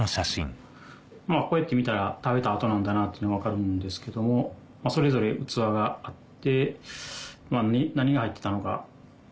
こうやって見たら食べた後なんだなっていうのは分かるんですけどもそれぞれ器があって。